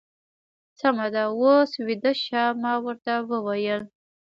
سمه ده، اوس بېده شه. ما ورته وویل.